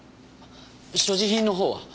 所持品のほうは？